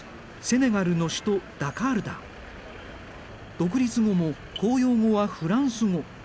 独立後も公用語はフランス語。